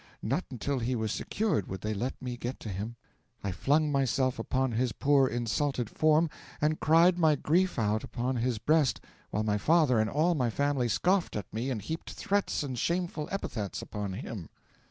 Not until he was secured would they let me get to him. I flung myself upon his poor insulted form and cried my grief out upon his breast while my father and all my family scoffed at me and heaped threats and shameful epithets upon him.